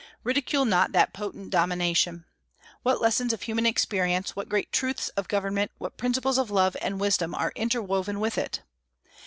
Ridicule not that potent domination. What lessons of human experience, what great truths of government, what principles of love and wisdom are interwoven with it!